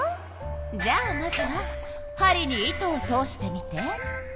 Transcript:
じゃあまずは針に糸を通してみて。